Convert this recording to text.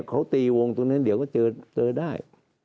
เขาตีวงตรงนั้นเดี๋ยวก็เจอได้